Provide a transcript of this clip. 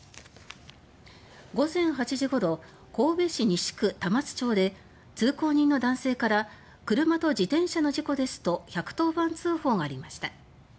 午前８時ごろ神戸市西区玉津町で通行人の男性から「車と自転車の事故です」と１１０番通報がありました。